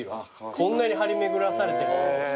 こんなに張り巡らされてるんだ。